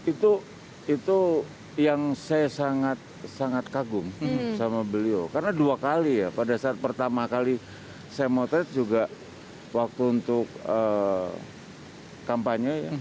itu itu yang saya sangat sangat kagum sama beliau karena dua kali ya pada saat pertama kali saya motret juga waktu untuk kampanye ya